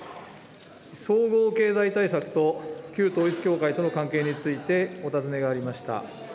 総合経済対策と旧統一教会との関係について、お尋ねがありました。